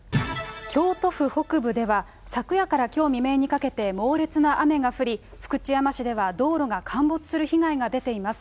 京都府北部では、昨夜からきょう未明にかけて、猛烈な雨が降り、福知山市では、道路が陥没する被害が出ています。